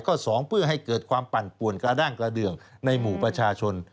สองเพื่อให้เกิดความปั่นป่วนกระด้างกระเดืองในหมู่ประชาชน